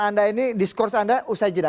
anda ini diskurs anda usai jeda